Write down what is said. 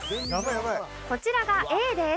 こちらがＡです。